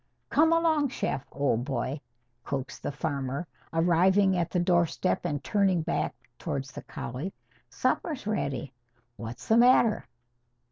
"Come along, Shep, old boy!" coaxed the farmer, arriving at the doorstep and turning back towards the collie. "Supper's ready. What's the matter?"